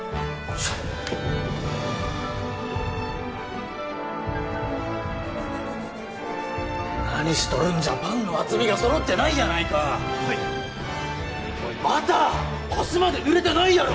しゃあ何しとるんじゃパンの厚みが揃ってないやないかおいバター端まで塗れてないやろ！